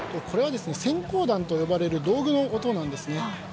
これは閃光弾と呼ばれる道具の音なんです。